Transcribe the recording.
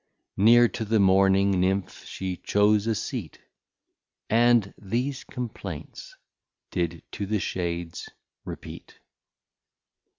Near to the Mourning Nimph she chose a Seat, And these Complaints did to the Shades repeat.